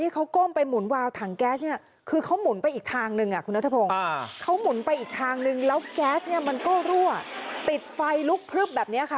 ขอบคุณครับ